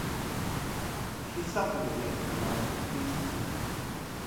She suffered at the end of her life from obesity.